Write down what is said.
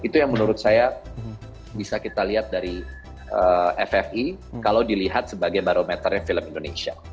itu yang menurut saya bisa kita lihat dari ffi kalau dilihat sebagai barometernya film indonesia